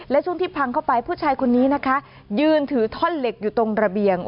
และช่วงที่พังเข้าไปผู้ชายคนนี้นะคะยืนถือท่อนเหล็กอยู่ตรงระเบียง